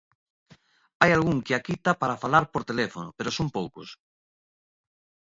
Hai algún que a quita para falar por teléfono, pero son poucos.